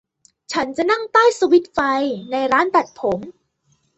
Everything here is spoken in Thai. ฉันจะนั่งใต้สวิตช์ไฟในร้านตัดผม